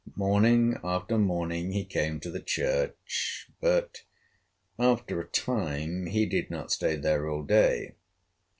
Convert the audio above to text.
Morning after morning he came to the church, but after a time he did not stay there all day.